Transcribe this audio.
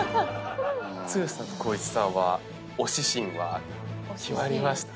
剛さんと光一さんは推し深は決まりました？